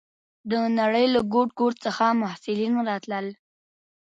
د نړۍ له ګوټ ګوټ څخه محصلین راتلل.